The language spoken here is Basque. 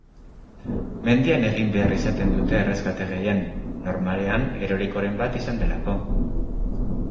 Mendian egin behar izaten dute erreskate gehien, normalean erorikoren bat izan delako.